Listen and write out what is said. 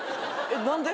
何で？